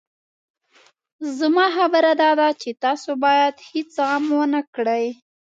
زما خبره داده چې تاسو بايد هېڅ غم ونه کړئ.